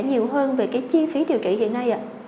nhiều hơn về cái chi phí điều trị hiện nay ạ